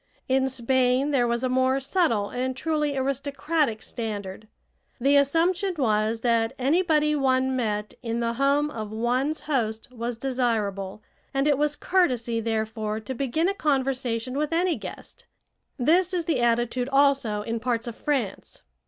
In Spain there was a more subtle and truly aristocratic standard. The assumption was that anybody one met in the home of one's host was desirable, and it was courtesy, therefore, to begin a conversation with any guest. This is the attitude also in parts of France.